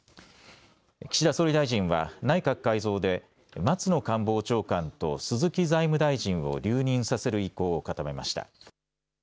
岸田総理大臣は内閣改造で松野官房長官と鈴木財務大臣を留任させる意向を固めました。